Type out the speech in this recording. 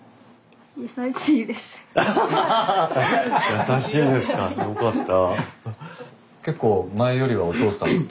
優しいですかよかった。